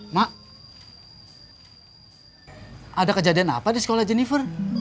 mak ada kejadian apa di sekolah jennifer